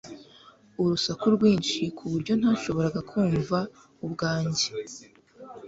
Urusaku rwinshi kuburyo ntashoboraga kumva ubwanjye